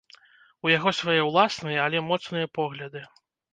У яго свае ўласныя, але моцныя погляды.